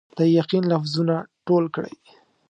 د یقین لفظونه ټول کړئ